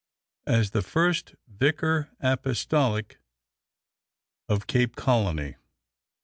as the first Vicar Apostolic of Cape Colony.